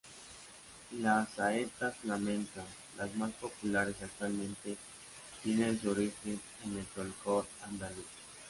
Las saetas flamencas, las más populares actualmente, tienen su origen en el folclore andaluz.